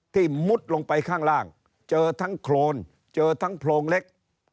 มุดลงไปข้างล่างเจอทั้งโครนเจอทั้งโพรงเล็ก